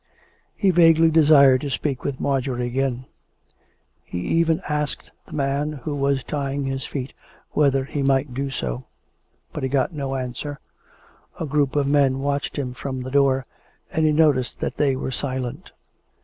He vaguely desired to speak with Marjorie again; he even asked the man who was tying his feet whether he might do so ; but he got no answer. A group of men watched him from the door, and he noticed that they were silent.